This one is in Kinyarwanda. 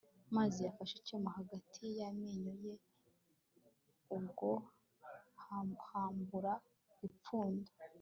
manzi yafashe icyuma hagati y amenyo ye ubwo yahambura ipfundo